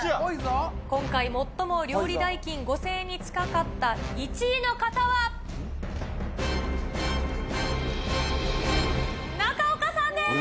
今回、最も料理代金５０００円に近かった１位の方は、中岡さんです。